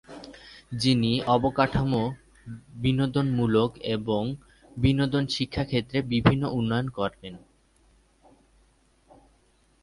যিনি অবকাঠামো, বিনোদনমূলক এবং বিনোদন শিক্ষা ক্ষেত্রে বিভিন্ন উন্নয়ন করেন।